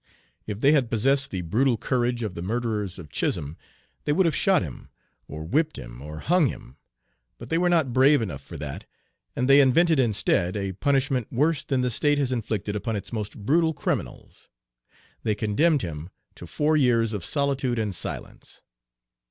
If they had possessed the brutal courage of the murderers of Chisholm they would have shot him, or whipped him, or hung him; but they were not brave enough for that, and they invented instead a punishment worse than the State has inflicted upon its most brutal criminals. They condemned him to four years of solitude and silence.